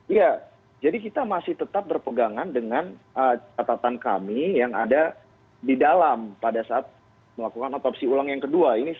iya jadi kita masih tetap berpegangan dengan catatan kami yang ada di dalam pada saat melakukan otopsi ulang yang kedua